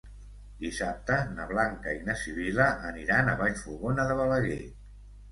Dissabte na Blanca i na Sibil·la aniran a Vallfogona de Balaguer.